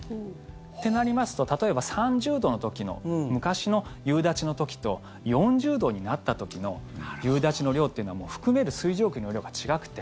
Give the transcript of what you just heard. ってなりますと、例えば３０度の時の、昔の夕立の時と４０度になった時の夕立の量っていうのは含める水蒸気の量が違くて。